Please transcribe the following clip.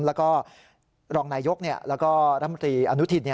แล้วก็รองนายยกแล้วก็รัฐมนตรีอนุทิน